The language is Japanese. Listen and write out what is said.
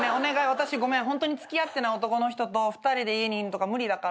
私ホントに付き合ってない男の人と２人で家にいるのとか無理だから。